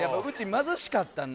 貧しかったの？